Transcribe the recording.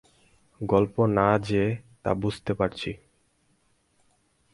গল্প না যে তা বুঝতে পারছি।